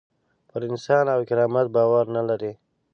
پر انسان او کرامت باور نه لري.